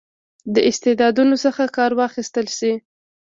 له استعدادونو څخه کار واخیستل شي.